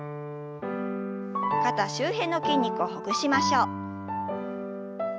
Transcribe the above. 肩周辺の筋肉をほぐしましょう。